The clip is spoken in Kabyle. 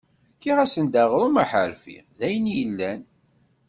Fkiɣ-asen-d aɣrum d aḥerfi, d ayen i yellan.